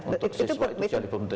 untuk siswa itu jadi pemerintah